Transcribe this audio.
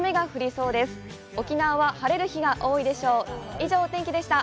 以上、お天気でした。